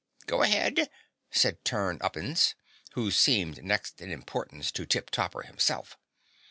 "Go ahead," said Turn Uppins, who seemed next in importance to Tip Topper himself.